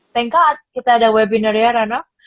terima kasih tuhan kita ada webinar ya randolf